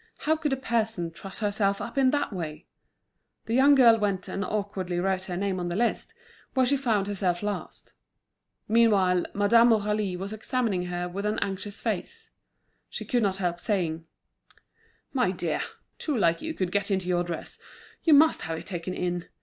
How could a person truss herself up in that way! The young girl went and awkwardly wrote her name on the list, where she found herself last. Meanwhile, Madame Aurélie was examining her with an anxious face. She could not help saying: "My dear, two like you could get into your dress; you must have it taken in.